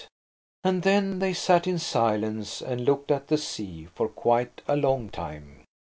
And then they sat in silence and looked at the sea for quite a long time.